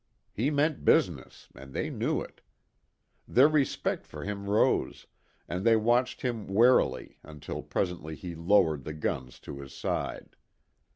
He meant business, and they knew it. Their respect for him rose, and they watched him warily until presently he lowered the guns to his side.